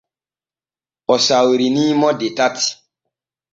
O sawrini mo de tati.